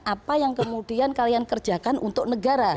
apa yang kemudian kalian kerjakan untuk negara